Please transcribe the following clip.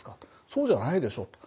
そうじゃないでしょ？」と。